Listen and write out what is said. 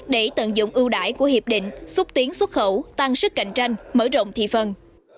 để tận dụng ưu đại của hiệp định xúc tiến xuất khẩu tăng sức cạnh tranh mở rộng thị phần